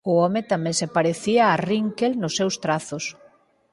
O home tamén se parecía a Rinkel nos seus trazos.